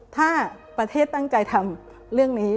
ถ้าประเทศตั้งใจทำเรื่องนี้